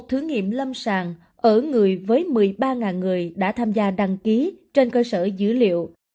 thử nghiệm lâm sàng ở người với một mươi ba người đã tham gia đăng ký trên cơ sở dữ liệu